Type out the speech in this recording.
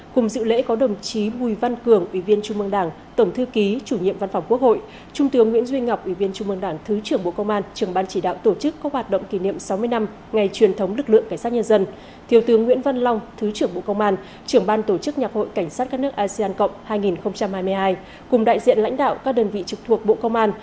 cùng dự lễ có đồng chí bùi văn cường ủy viên trung mương đảng tổng thư ký chủ nhiệm văn phòng quốc hội trung tướng nguyễn duy ngọc ủy viên trung mương đảng thứ trưởng bộ công an trường ban chỉ đạo tổ chức có hoạt động kỷ niệm sáu mươi năm ngày truyền thống lực lượng cảnh sát nhân dân